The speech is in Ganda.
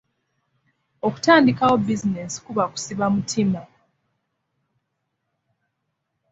Okutandikawo bizinensi kuba kusiba mutima.